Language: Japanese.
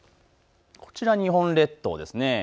こちら日本列島です。